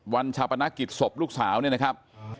วันชัปรณะกิตศพลูกสาวนี้นะครับ